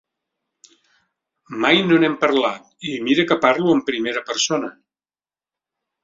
Mai no n’hem parlat, i mira que parlo en primera persona.